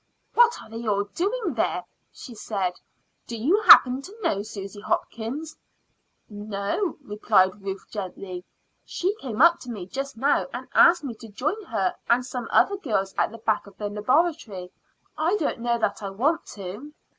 "What are they all doing there?" she said. "Do you happen to know Susy Hopkins?" "No," replied Ruth gently. "She came up to me just now and asked me to join her and some other girls at the back of the Laboratory. I don't know that I want to."